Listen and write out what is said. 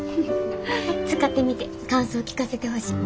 使ってみて感想聞かせてほしい。